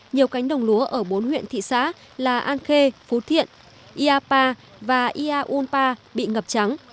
nhiều cánh đồng lúa ở bốn huyện thị xã là an khê phú thiện ia pa và ia un pa bị ngập trắng